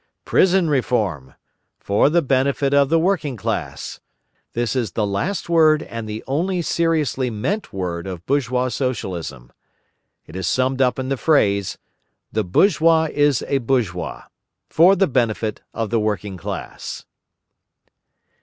Prison Reform: for the benefit of the working class. This is the last word and the only seriously meant word of bourgeois Socialism. It is summed up in the phrase: the bourgeois is a bourgeois—for the benefit of the working class.